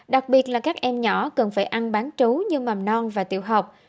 đặc biệt là các em nhỏ cần phải ăn bán trú như mầm non và tiểu học